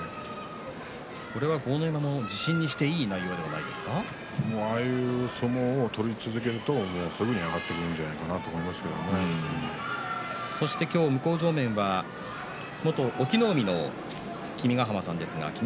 これは豪ノ山も自信にしていいああいう相撲を取り続けるとすぐに上がってくるんじゃないか今日、向正面は元隠岐の海の君ヶ濱さんです。